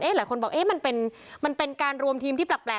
เอ๊ะหลายคนบอกเอ๊ะมันเป็นมันเป็นการรวมทีมที่แปลก